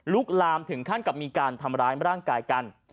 ลามถึงขั้นกับมีการทำร้ายร่างกายกัน